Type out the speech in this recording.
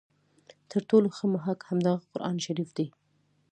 تر ټولو ښه محک همدغه قرآن شریف دی.